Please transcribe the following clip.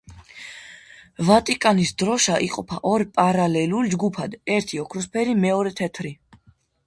ვატიკანის დროშა იყოფა ორ პარალელურ ჯგუფად, ერთი ოქროსფერი, მეორე თეთრი.